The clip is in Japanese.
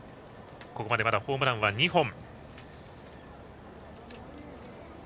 ここまでホームランは２本。